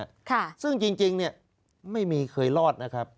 ค่ะซึ่งจริงนี่ไม่มีเคยรอดนะครับ